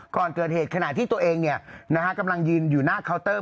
ก่อนเกิดเหตุขณะที่ตัวเองกำลังยืนอยู่หน้าเคาน์เตอร์